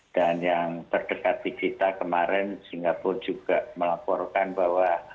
dan yang berdekat di kita kemarin singapura juga melaporkan bahwa